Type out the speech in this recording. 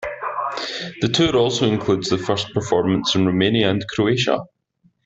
The tour also includes the first performance in Romania and Croatia.